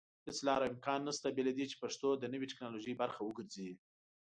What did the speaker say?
هيڅ لاره او امکان نشته بېله دې چې پښتو د نوي ټيکنالوژي پرخه وګرځي